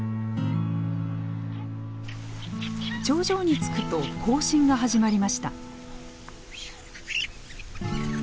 頂上に着くと行進が始まりました。